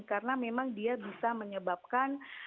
karena memang dia bisa menyebabkan